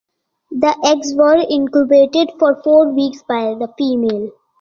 The eggs are incubated for four weeks by the female.